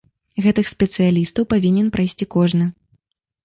Гэтых спецыялістаў павінен прайсці кожны.